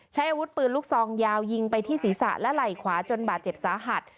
ใช้อาวุธปืนลูกซองยาวยิงไปที่ศีรษะและไหล่ขวาจนบาดเจ็บสาหัส